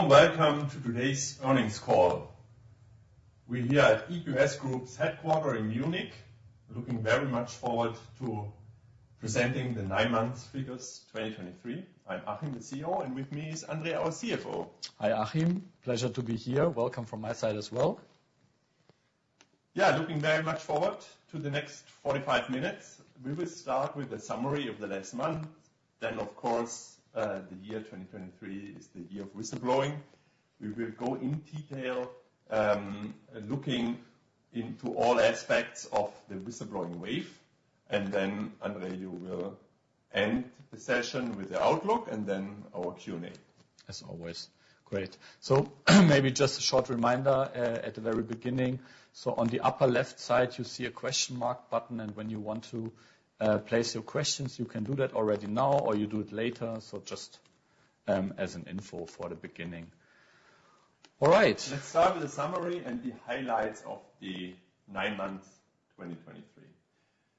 A warm welcome to today's earnings call. We're here at EQS Group's headquarters in Munich, looking very much forward to presenting the 9 months figures 2023. I'm Achim, the CEO, and with me is André, our CFO. Hi, Achim. Pleasure to be here. Welcome from my side as well. Yeah, looking very much forward to the next 45 minutes. We will start with a summary of the last month, then, of course, the year 2023 is the year of whistleblowing. We will go in detail, looking into all aspects of the whistleblowing wave. And then, André, you will end the session with the outlook, and then our Q&A. As always. Great. So maybe just a short reminder at the very beginning. So on the upper left side, you see a question mark button, and when you want to place your questions, you can do that already now, or you do it later. So just as an info for the beginning. All right. Let's start with the summary and the highlights of the nine months, 2023.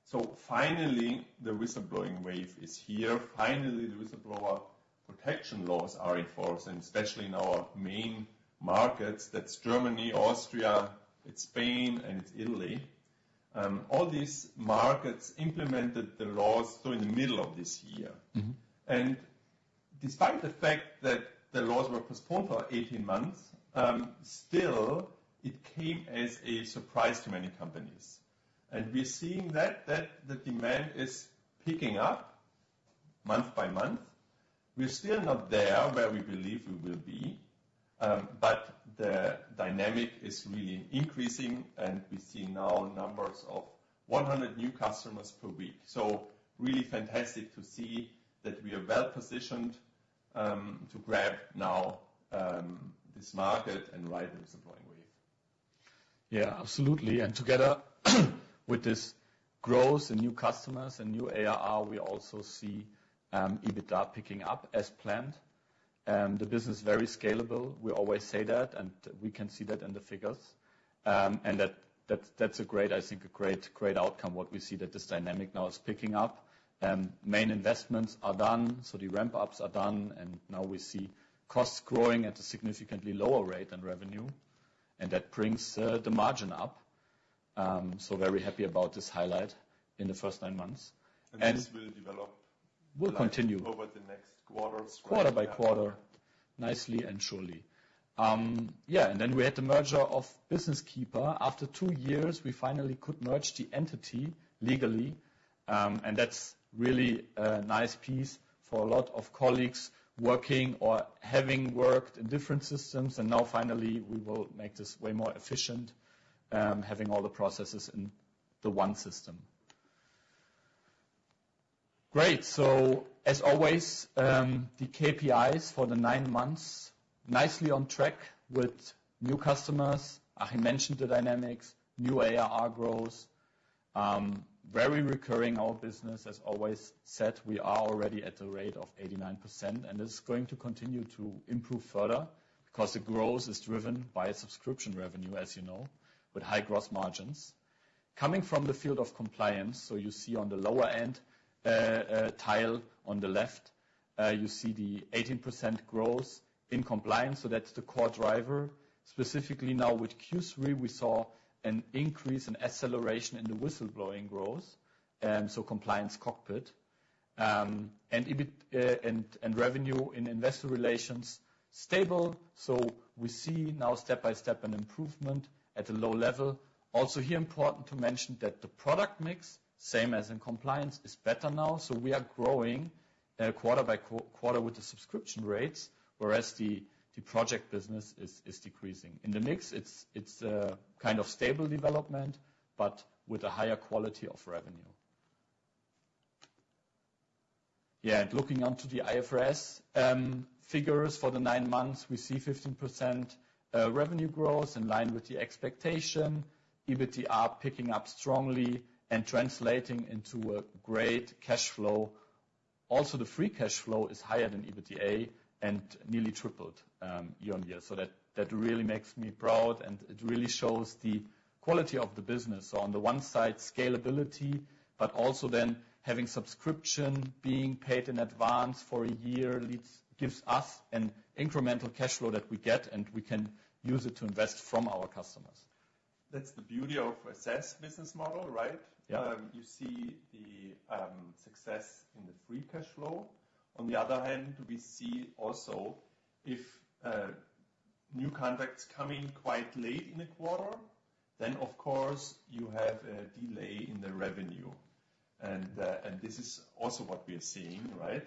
So finally, the whistleblowing wave is here. Finally, the whistleblower protection laws are in force, and especially in our main markets. That's Germany, Austria, Spain, and Italy. All these markets implemented the laws during the middle of this year. Mm-hmm. Despite the fact that the laws were postponed for 18 months, still, it came as a surprise to many companies. We're seeing that, that the demand is picking up month by month. We're still not there where we believe we will be, but the dynamic is really increasing, and we see now numbers of 100 new customers per week. Really fantastic to see that we are well-positioned to grab now this market and ride the whistleblowing wave. Yeah, absolutely. And together with this growth and new customers and new ARR, we also see EBITDA picking up as planned. The business is very scalable. We always say that, and we can see that in the figures. And that's a great, I think, great outcome, what we see, that this dynamic now is picking up. Main investments are done, so the ramp-ups are done, and now we see costs growing at a significantly lower rate than revenue, and that brings the margin up. So very happy about this highlight in the first nine months. And- This will develop- Will continue- over the next quarter. Quarter by quarter, nicely and surely. Yeah, and then we had the merger of Business Keeper. After two years, we finally could merge the entity legally, and that's really a nice piece for a lot of colleagues working or having worked in different systems. And now, finally, we will make this way more efficient, having all the processes in the one system. Great, so as always, the KPIs for the nine months, nicely on track with new customers. Achim mentioned the dynamics, new ARR growth. Very recurring, our business, as always, said we are already at a rate of 89%, and this is going to continue to improve further because the growth is driven by subscription revenue, as you know, with high gross margins. Coming from the field of compliance, so you see on the lower end, tile on the left, you see the 18% growth in compliance, so that's the core driver. Specifically now with Q3, we saw an increase in acceleration in the whistleblowing growth, so Compliance Cockpit. And EBIT and revenue in investor relations, stable, so we see now step-by-step an improvement at a low level. Also, here, important to mention that the product mix, same as in compliance, is better now. So we are growing, quarter by quarter with the subscription rates, whereas the project business is decreasing. In the mix, it's a kind of stable development, but with a higher quality of revenue. Yeah, and looking onto the IFRS figures for the nine months, we see 15% revenue growth in line with the expectation. EBITDA picking up strongly and translating into a great cash flow. Also, the free cash flow is higher than EBITDA and nearly tripled year-on-year. So that really makes me proud, and it really shows the quality of the business. So on the one side, scalability, but also then having subscription being paid in advance for a year gives us an incremental cash flow that we get, and we can use it to invest from our customers. That's the beauty of a SaaS business model, right? Yeah. You see the success in the free cash flow. On the other hand, we see also if new contracts coming quite late in the quarter, then, of course, you have a delay in the revenue. And this is also what we are seeing, right?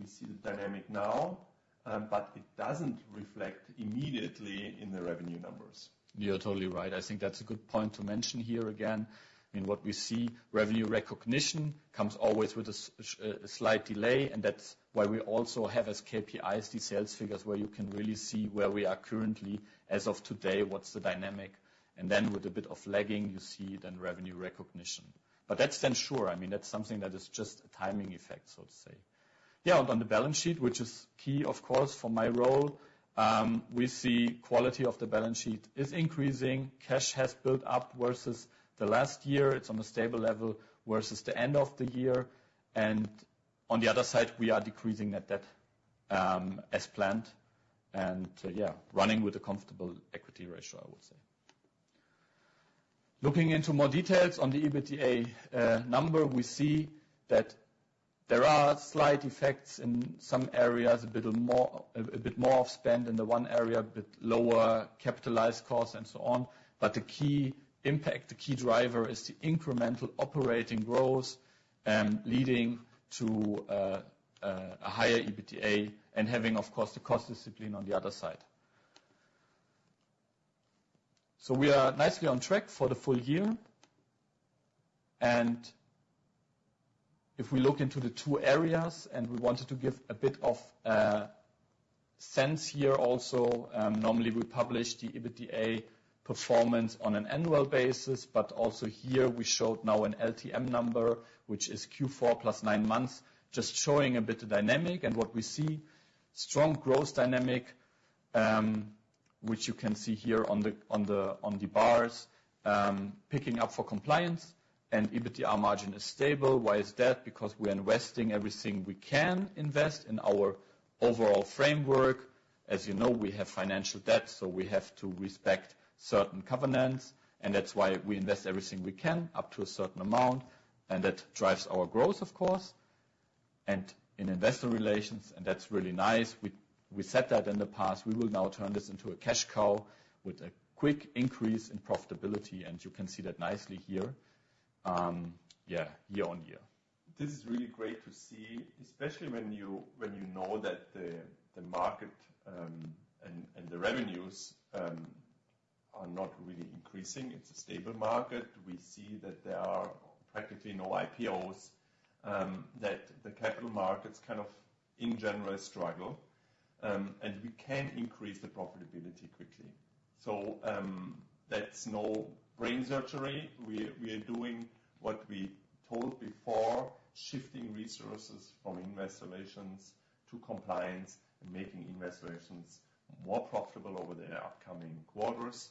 We see the dynamic now, but it doesn't reflect immediately in the revenue numbers. You're totally right. I think that's a good point to mention here again. I mean, what we see, revenue recognition comes always with a slight delay, and that's why we also have as KPIs, the sales figures, where you can really see where we are currently, as of today, what's the dynamic, and then with a bit of lagging, you see then revenue recognition. But that's then sure, I mean, that's something that is just a timing effect, so to say. Yeah, on the balance sheet, which is key, of course, for my role, we see quality of the balance sheet is increasing. Cash has built up versus the last year. It's on a stable level versus the end of the year. On the other side, we are decreasing net debt, as planned. Yeah, running with a comfortable equity ratio, I would say. Looking into more details on the EBITDA number, we see that there are slight effects in some areas, a bit more of spend in the one area, a bit lower capitalized costs, and so on. But the key impact, the key driver, is the incremental operating growth, leading to a higher EBITDA and having, of course, the cost discipline on the other side. So we are nicely on track for the full year. And if we look into the two areas, and we wanted to give a bit of sense here also, normally we publish the EBITDA performance on an annual basis, but also here we showed now an LTM number, which is Q4 plus nine months, just showing a bit of dynamic. What we see, strong growth dynamic, which you can see here on the bars, picking up for compliance and EBITDA margin is stable. Why is that? Because we are investing everything we can invest in our overall framework. As you know, we have financial debt, so we have to respect certain covenants, and that's why we invest everything we can, up to a certain amount, and that drives our growth, of course, and in investor relations, and that's really nice. We said that in the past. We will now turn this into a cash cow with a quick increase in profitability, and you can see that nicely here, yeah, year-on-year. This is really great to see, especially when you know that the market and the revenues are not really increasing. It's a stable market. We see that there are practically no IPOs, that the capital markets kind of in general struggle. And we can increase the profitability quickly. So, that's no brain surgery. We are doing what we told before, shifting resources from investor relations to compliance and making investor relations more profitable over the upcoming quarters.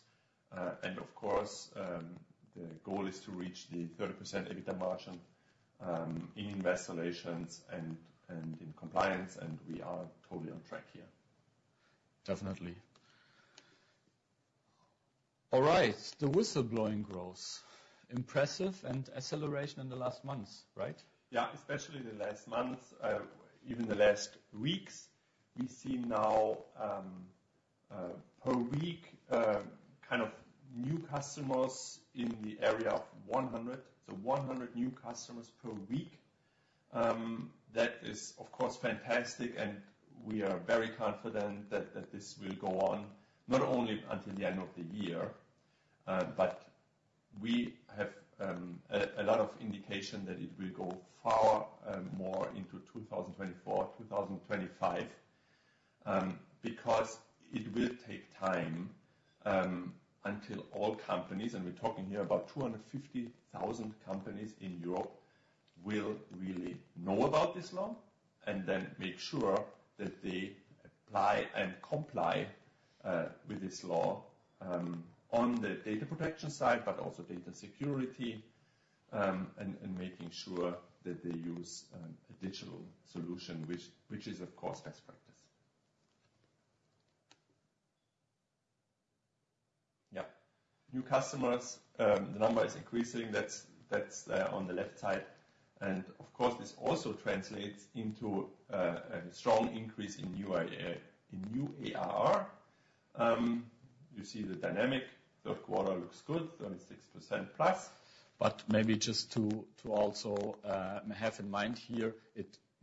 And of course, the goal is to reach the 30% EBITDA margin in investor relations and in compliance, and we are totally on track here. Definitely. All right. The whistleblowing growth, impressive and acceleration in the last months, right? Yeah, especially the last months, even the last weeks. We see now, per week, kind of new customers in the area of 100. So 100 new customers per week. That is, of course, fantastic, and we are very confident that, that this will go on, not only until the end of the year, but we have, a, a lot of indication that it will go far, more into 2024, 2025. Because it will take time, until all companies, and we're talking here about 250,000 companies in Europe, will really know about this law and then make sure that they apply and comply, with this law, on the data protection side, but also data security, and making sure that they use, a digital solution, which is, of course, best practice. Yeah. New customers, the number is increasing. That's, on the left side. And of course, this also translates into, a strong increase in new ARR. You see the dynamic. Third quarter looks good, 36%+. But maybe just to also have in mind here,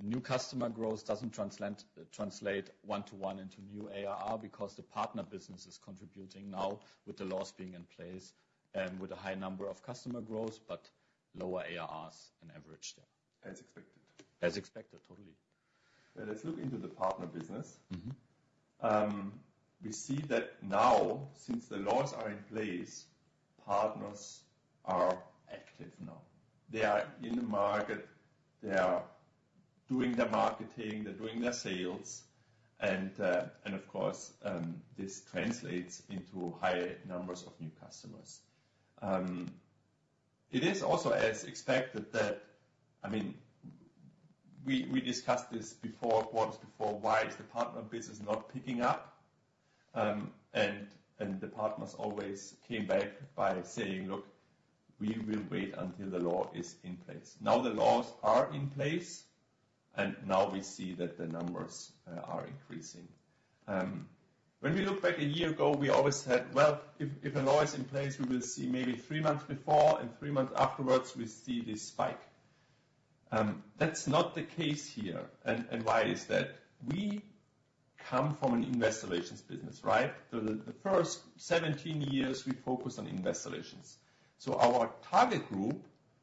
new customer growth doesn't translate 1 to 1 into new ARR because the partner business is contributing now with the laws being in place and with a high number of customer growth, but lower ARRs on average there. As expected. As expected, totally. Let's look into the partner business. Mm-hmm. We see that now, since the laws are in place, partners are active now. They are in the market, they are doing their marketing, they're doing their sales, and, and of course, this translates into higher numbers of new customers. It is also as expected that. I mean, we, we discussed this before, quarters before, why is the partner business not picking up? And, and the partners always came back by saying, "Look, we will wait until the law is in place." Now, the laws are in place, and now we see that the numbers, are increasing. When we look back a year ago, we always said, "Well, if, if a law is in place, we will see maybe three months before and three months afterwards, we see this spike." That's not the case here. And, and why is that? We come from an investor relations business, right? So the first 17 years, we focused on investor relations. So our target group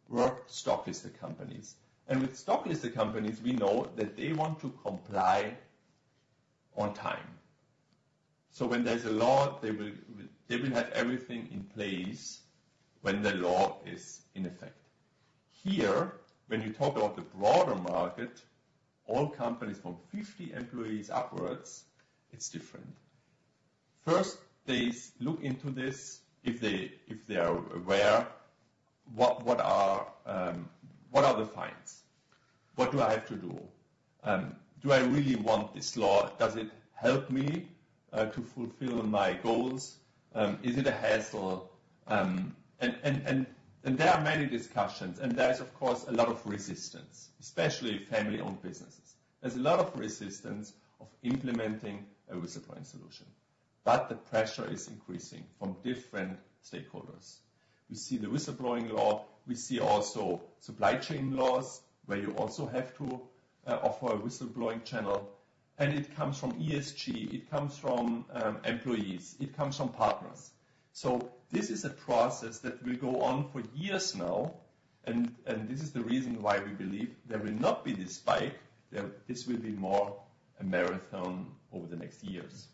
were stock-listed companies. And with stock-listed companies, we know that they want to comply on time. So when there's a law, they will have everything in place when the law is in effect. Here, when you talk about the broader market, all companies from 50 employees upwards, it's different. First, they look into this, if they are aware. What are the fines? What do I have to do? Do I really want this law? Does it help me to fulfill my goals? Is it a hassle? And there are many discussions, and there is, of course, a lot of resistance, especially family-owned businesses. There's a lot of resistance of implementing a whistleblowing solution, but the pressure is increasing from different stakeholders. We see the whistleblowing law, we see also supply chain laws, where you also have to offer a whistleblowing channel, and it comes from ESG, it comes from employees, it comes from partners. So this is a process that will go on for years now, and, and this is the reason why we believe there will not be this spike, that this will be more a marathon over the next years.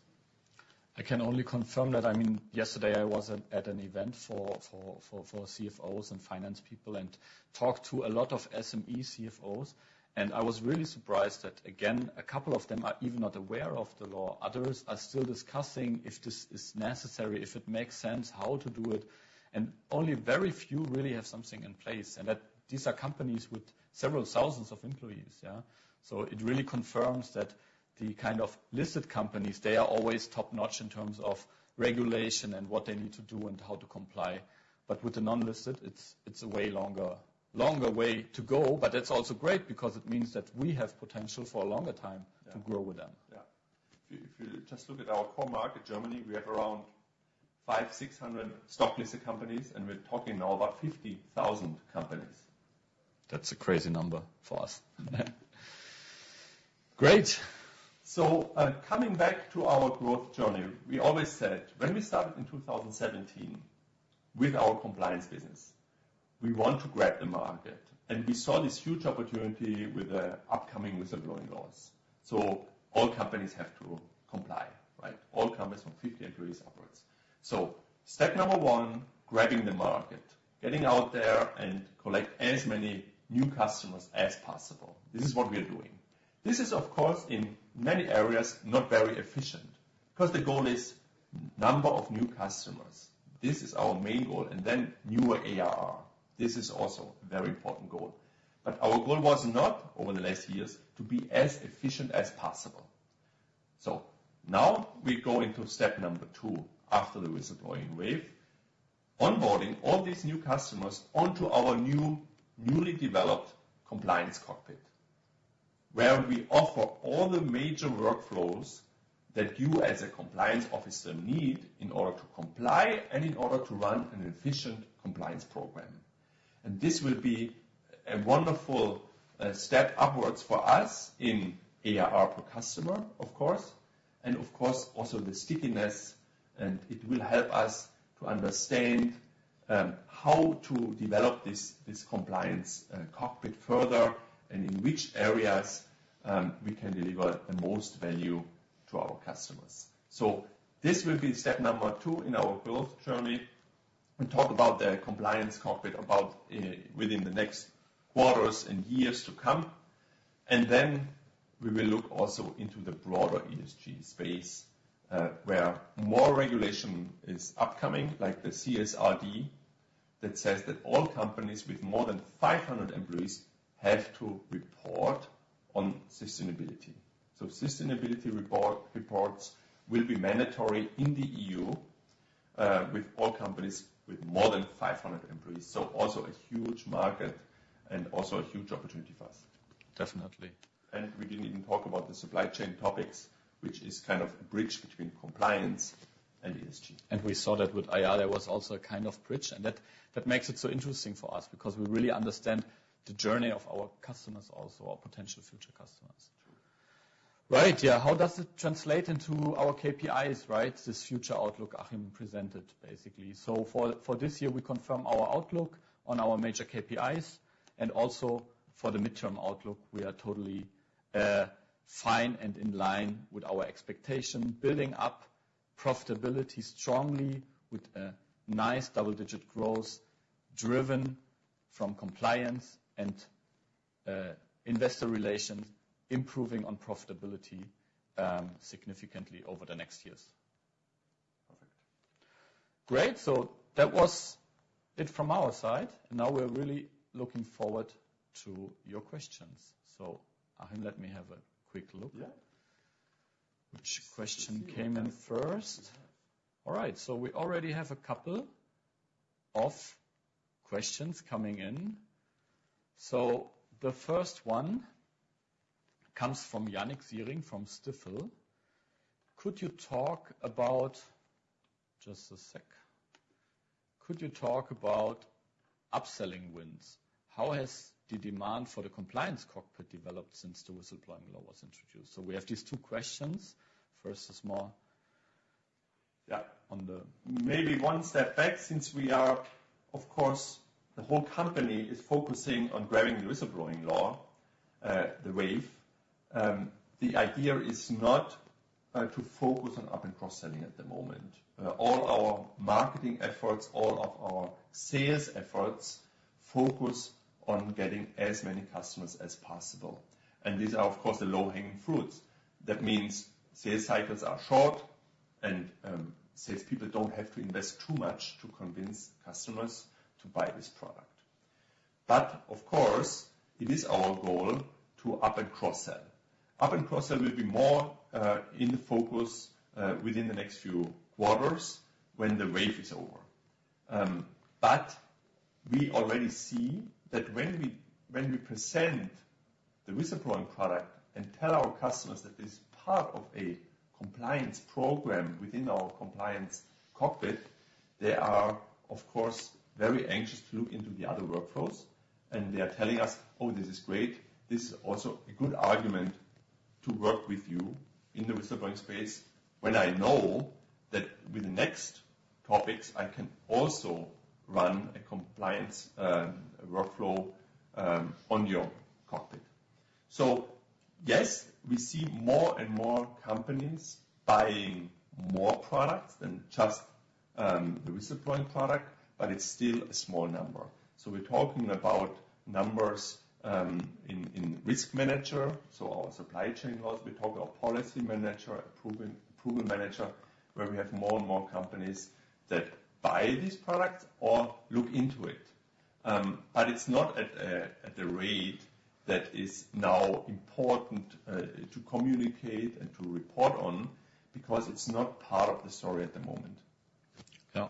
I can only confirm that. I mean, yesterday, I was at an event for CFOs and finance people, and talked to a lot of SME CFOs, and I was really surprised that, again, a couple of them are even not aware of the law. Others are still discussing if this is necessary, if it makes sense, how to do it, and only very few really have something in place, and that these are companies with several thousands of employees, yeah? So it really confirms that the kind of listed companies, they are always top-notch in terms of regulation and what they need to do and how to comply. But with the non-listed, it's a way longer way to go, but that's also great because it means that we have potential for a longer time- Yeah. to grow with them. Yeah. If you, if you just look at our core market, Germany, we have around 500-600 stock-listed companies, and we're talking now about 50,000 companies. That's a crazy number for us. Great. So, coming back to our growth journey. We always said when we started in 2017, with our compliance business, we want to grab the market, and we saw this huge opportunity with the upcoming whistleblowing laws. So all companies have to comply, right? All companies from 50 employees upwards. So step number one, grabbing the market, getting out there and collect as many new customers as possible. This is what we are doing. This is, of course, in many areas, not very efficient, because the goal is number of new customers. This is our main goal, and then newer ARR. This is also a very important goal, but our goal was not, over the last years, to be as efficient as possible. So now we go into step number 2, after the whistleblowing wave, onboarding all these new customers onto our new, newly developed Compliance Cockpit, where we offer all the major workflows that you as a compliance officer need in order to comply and in order to run an efficient compliance program. And this will be a wonderful step upwards for us in ARR per customer, of course, and of course, also the stickiness, and it will help us to understand how to develop this Compliance Cockpit further, and in which areas we can deliver the most value to our customers. So this will be step number 2 in our growth journey. We'll talk about the Compliance Cockpit, about within the next quarters and years to come, and then we will look also into the broader ESG space, where more regulation is upcoming, like the CSRD, that says that all companies with more than 500 employees have to report on sustainability. So sustainability reports will be mandatory in the EU, with all companies with more than 500 employees, so also a huge market and also a huge opportunity for us. Definitely. We didn't even talk about the supply chain topics, which is kind of a bridge between compliance and ESG. We saw that with IR, there was also a kind of bridge, and that, that makes it so interesting for us because we really understand the journey of our customers, also our potential future customers. True. Right. Yeah. How does it translate into our KPIs, right? This future outlook Achim presented, basically. So for this year, we confirm our outlook on our major KPIs, and also for the midterm outlook, we are totally fine and in line with our expectation, building up profitability strongly with a nice double-digit growth, driven from compliance and investor relations, improving on profitability significantly over the next years. Perfect. Great. That was it from our side, and now we're really looking forward to your questions. Achim, let me have a quick look. Yeah. Which question came in first? All right, so we already have a couple of questions coming in. So the first one comes from Yannick Ziering, from Stifel. "Could you talk about?" Just a sec. "Could you talk about upselling wins? How has the demand for the Compliance Cockpit developed since the whistleblowing law was introduced?" So we have these two questions. First, is more- Yeah. On the- Maybe one step back, since we are, of course, the whole company is focusing on grabbing the whistleblowing law, the wave. The idea is not, to focus on up and cross-selling at the moment. All our marketing efforts, all of our sales efforts, focus on getting as many customers as possible, and these are, of course, the low-hanging fruits. That means sales cycles are short and, salespeople don't have to invest too much to convince customers to buy this product. But of course, it is our goal to up and cross-sell. Up and cross-sell will be more, in the focus, within the next few quarters when the wave is over. But we already see that when we present the whistleblowing product and tell our customers that it's part of a compliance program within our Compliance Cockpit, they are, of course, very anxious to look into the other workflows, and they are telling us: "Oh, this is great. This is also a good argument to work with you in the whistleblowing space, when I know that with the next topics, I can also run a compliance workflow on your COCKPIT." So yes, we see more and more companies buying more products than just the whistleblowing product, but it's still a small number. So we're talking about numbers in Risk Manager, so our supply chain laws. We talk about Policy Manager, Approval, Approval Manager, where we have more and more companies that buy these products or look into it. But it's not at a rate that is now important to communicate and to report on, because it's not part of the story at the moment. Yeah.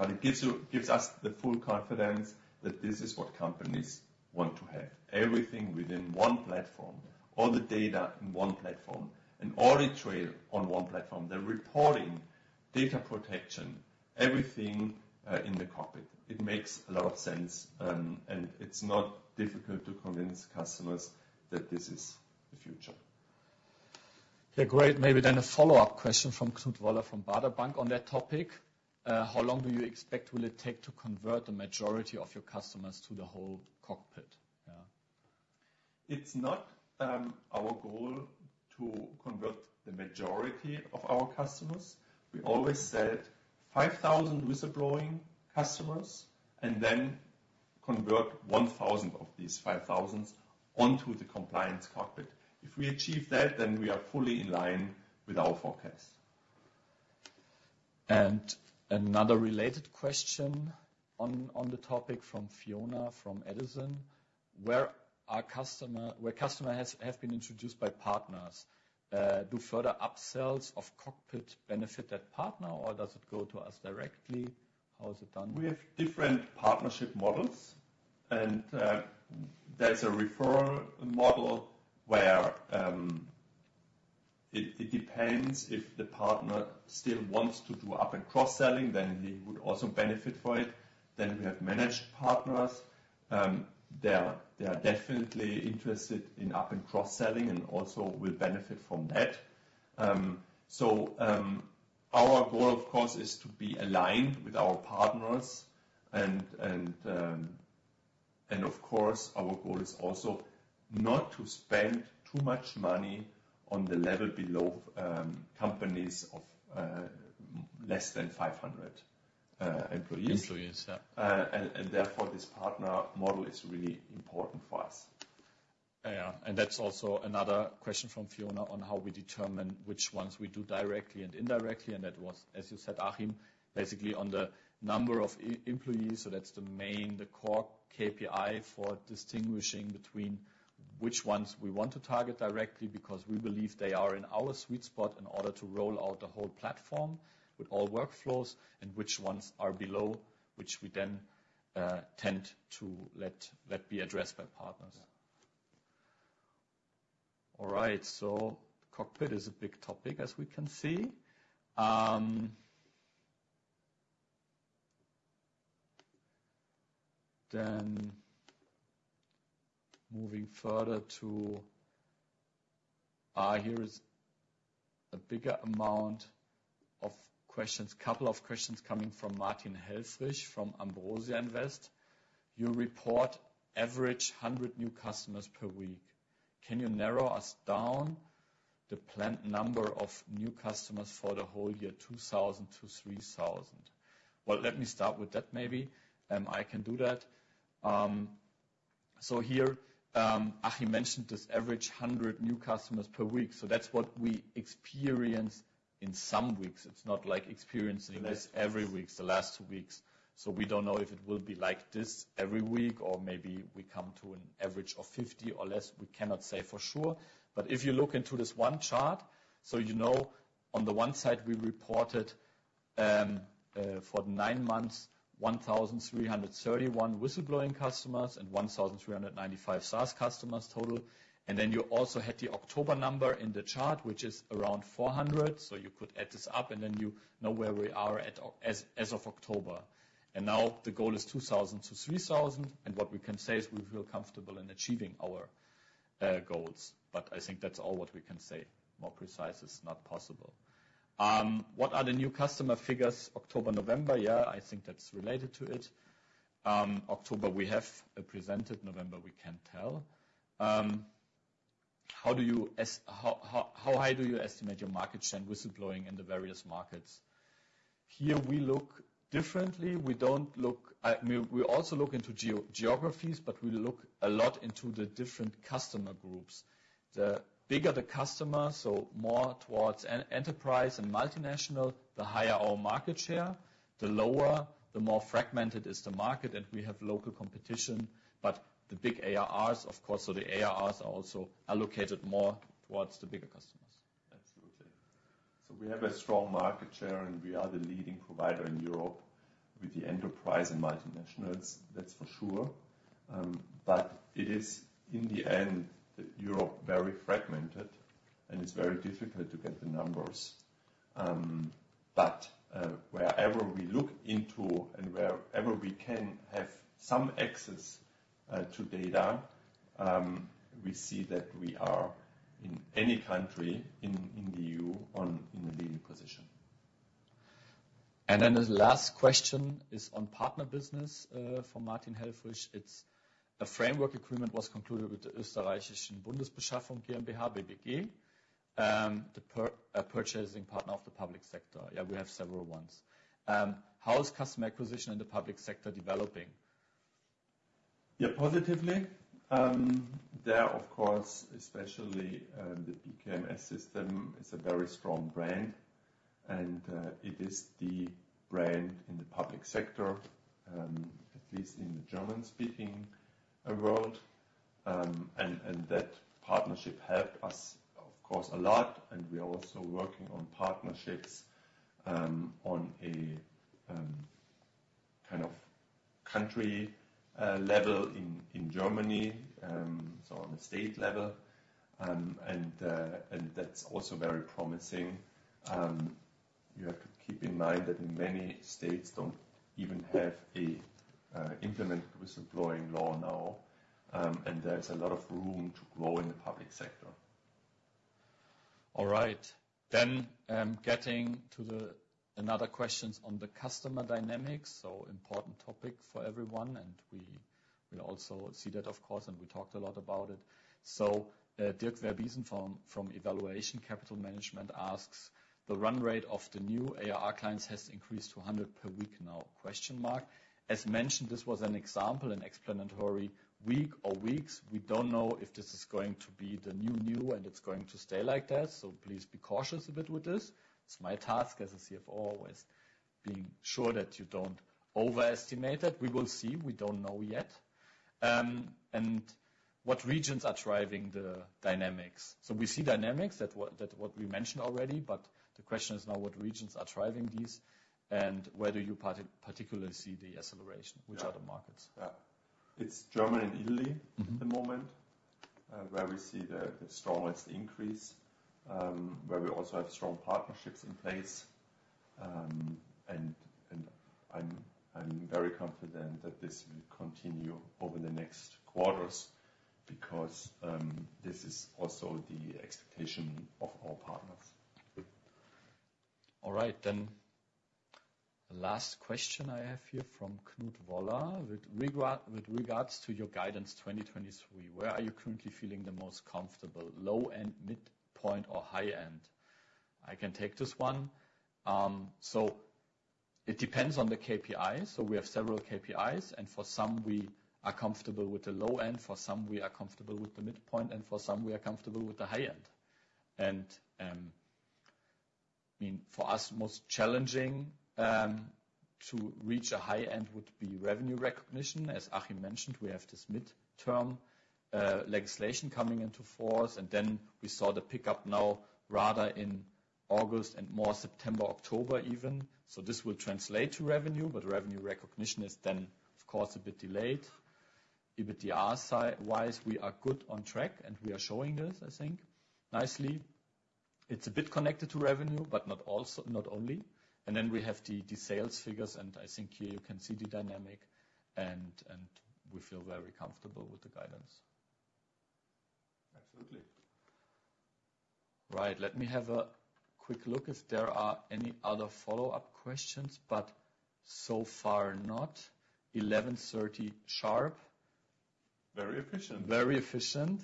But it gives you, gives us the full confidence that this is what companies want to have. Everything within one platform, all the data in one platform, an audit trail on one platform, the reporting, data protection, everything in the cockpit. It makes a lot of sense, and it's not difficult to convince customers that this is the future. Yeah, great. Maybe then a follow-up question from Knut Woller from Baader Bank on that topic. How long do you expect will it take to convert the majority of your customers to the whole COCKPIT? Yeah. It's not our goal to convert the majority of our customers. We always said 5,000 whistleblowing customers, and then convert 1,000 of these 5,000 onto the Compliance Cockpit. If we achieve that, then we are fully in line with our forecast. Another related question on the topic from Fiona from Edison: Where customers have been introduced by partners, do further upsells of cockpit benefit that partner, or does it go to us directly? How is it done? We have different partnership models, and there's a referral model where it depends if the partner still wants to do up and cross-selling, then he would also benefit for it. Then we have managed partners, they are definitely interested in up and cross-selling, and also will benefit from that. So, our goal, of course, is to be aligned with our partners and, and of course, our goal is also not to spend too much money on the level below, companies of less than 500 employees. Employees, yeah. Therefore, this partner model is really important for us. Yeah, and that's also another question from Fiona on how we determine which ones we do directly and indirectly, and that was, as you said, Achim, basically on the number of employees. So that's the main, the core KPI for distinguishing between which ones we want to target directly, because we believe they are in our sweet spot in order to roll out the whole platform with all workflows, and which ones are below, which we then tend to let be addressed by partners. Yeah. All right, so COCKPIT is a big topic, as we can see. Then moving further to here is a bigger amount of questions. Couple of questions coming from Martin Helfrich, from Ambrosia Invest. You report average 100 new customers per week. Can you narrow us down the planned number of new customers for the whole year, 2,000-3,000? Well, let me start with that, maybe. I can do that. So here, Achim mentioned this average 100 new customers per week. So that's what we experience in some weeks. It's not like experiencing this- Last- Every week, the last two weeks. So we don't know if it will be like this every week, or maybe we come to an average of 50 or less. We cannot say for sure. But if you look into this one chart, so you know, on the one side, we reported for the nine months, 1,331 whistleblowing customers and 1,395 SaaS customers total. And then you also had the October number in the chart, which is around 400, so you could add this up, and then you know where we are at, as of October. And now the goal is 2,000-3,000, and what we can say is we feel comfortable in achieving our goals, but I think that's all what we can say. More precise is not possible. What are the new customer figures, October, November? Yeah, I think that's related to it. October, we have presented. November, we can tell. How do you estimate your market share in whistleblowing in the various markets? Here we look differently. We don't look, we also look into geographies, but we look a lot into the different customer groups. The bigger the customer, so more towards enterprise and multinational, the higher our market share, the lower, the more fragmented is the market, and we have local competition. But the big ARRs, of course, so the ARRs are also allocated more towards the bigger customers. Absolutely. So we have a strong market share, and we are the leading provider in Europe with the enterprise and multinationals, that's for sure. But it is, in the end, Europe, very fragmented, and it's very difficult to get the numbers. But, wherever we look into and wherever we can have some access, to data, we see that we are, in any country in, in the EU, in a leading position. And then the last question is on partner business from Martin Helfrich. It's: A framework agreement was concluded with the Österreichische Bundesbeschaffung GmbH, BBG, the purchasing partner of the public sector. Yeah, we have several ones. How is customer acquisition in the public sector developing? Yeah, positively. There, of course, especially, the BKMS System is a very strong brand, and it is the brand in the public sector, at least in the German-speaking world. And that partnership helped us, of course, a lot, and we are also working on partnerships, on a kind of country level in Germany, so on the state level. And that's also very promising. You have to keep in mind that in many states don't even have a implemented whistleblowing law now, and there is a lot of room to grow in the public sector. All right. Then, getting to another questions on the customer dynamics, so important topic for everyone, and we will also see that, of course, and we talked a lot about it. So, Dirk Verbiesen from EValuation Capital Management asks: The run rate of the new ARR clients has increased to 100 per week now? As mentioned, this was an example, an explanatory week or weeks. We don't know if this is going to be the new, and it's going to stay like that, so please be cautious a bit with this. It's my task as a CFO, always being sure that you don't overestimate it. We will see. We don't know yet. And what regions are driving the dynamics? So we see dynamics, that what we mentioned already, but the question is now, what regions are driving these, and whether you particularly see the acceleration? Which are the markets? Yeah. It's Germany and Italy- Mm-hmm at the moment, where we see the strongest increase, where we also have strong partnerships in place. And I'm very confident that this will continue over the next quarters because this is also the expectation of our partners. All right, then the last question I have here from Knut Woller: With regards to your guidance 2023, where are you currently feeling the most comfortable, low end, mid-point, or high end? I can take this one. So it depends on the KPIs. So we have several KPIs, and for some, we are comfortable with the low end, for some, we are comfortable with the mid-point, and for some, we are comfortable with the high end. And, I mean, for us, most challenging to reach a high end would be revenue recognition. As Achim mentioned, we have this midterm legislation coming into force, and then we saw the pickup now rather in August and more September, October even. So this will translate to revenue, but revenue recognition is then, of course, a bit delayed. EBITDA side-wise, we are good on track, and we are showing this, I think, nicely. It's a bit connected to revenue, but not also—not only. And then we have the sales figures, and I think here you can see the dynamic, and we feel very comfortable with the guidance. Absolutely. Right. Let me have a quick look if there are any other follow-up questions, but so far, not. 11:30 A.M. sharp. Very efficient. Very efficient.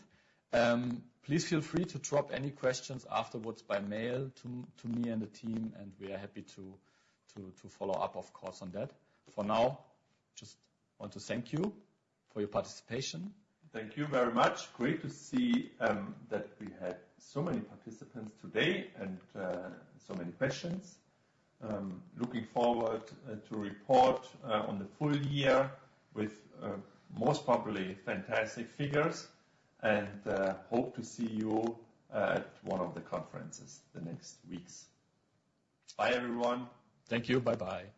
Please feel free to drop any questions afterwards by mail to me and the team, and we are happy to follow up, of course, on that. For now, just want to thank you for your participation. Thank you very much. Great to see that we had so many participants today and so many questions. Looking forward to report on the full year with most probably fantastic figures, and hope to see you at one of the conferences the next weeks. Bye, everyone. Thank you. Bye-bye.